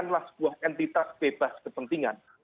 inilah sebuah entitas bebas kepentingan